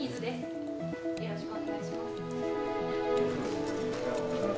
よろしくお願いします。